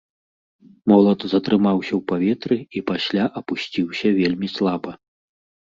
Молат затрымаўся ў паветры і пасля апусціўся вельмі слаба.